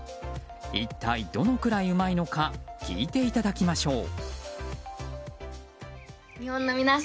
一体どのくらいうまいのか聞いていただきましょう。